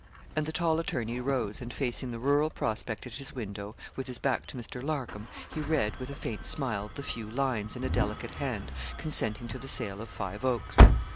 And the tall attorney rose, and, facing the rural prospect at his window, with his back to Mr. Larcom, he read, with a faint smile, the few lines, in a delicate hand, consenting to the sale of Five Oaks.